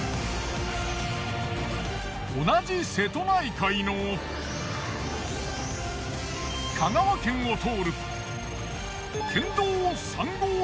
同じ瀬戸内海の香川県を通る。